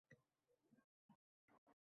U qo‘l mehnati yordamida yasalgan.